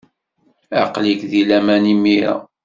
Aql-ik deg laman imir-a.